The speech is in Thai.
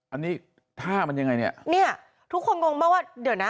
อันนี้ท่ามันยังไงเนี่ยทุกคนงงมากว่าเดี๋ยวนะ